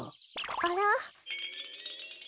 あら？